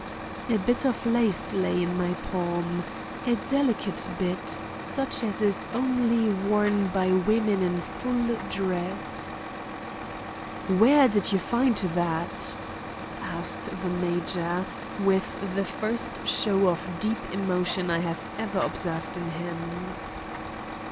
A bit of lace lay in my palm, a delicate bit, such as is only worn by women in full dress. "Where did you find that?" asked the major, with the first show of deep emotion I have ever observed in him.